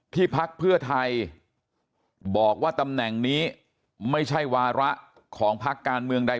พักเพื่อไทยบอกว่าตำแหน่งนี้ไม่ใช่วาระของพักการเมืองใด